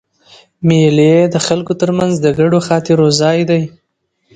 مېلې د خلکو تر منځ د ګډو خاطرو ځای دئ.